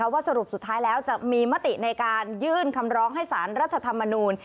ว่าสรุปสุดท้ายแล้วจะมีมติในการยื่นคำร้องให้สารรัฐธรรมนูล